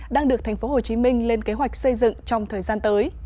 đang được tp hcm lên kế hoạch xây dựng trong thời gian tới